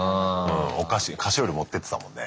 お菓子菓子折持ってってたもんね。